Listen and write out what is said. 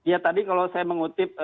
ya tadi kalau saya mengutip